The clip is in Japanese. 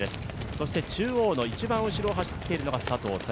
そして中央の一番後ろを走っているのが佐藤早